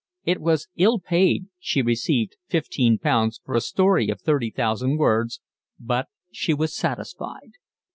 It was ill paid, she received fifteen pounds for a story of thirty thousand words; but she was satisfied.